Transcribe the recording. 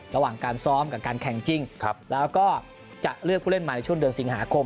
ระหว่างการซ้อมกับการแข่งจริงแล้วก็จะเลือกผู้เล่นมาในช่วงเดือนสิงหาคม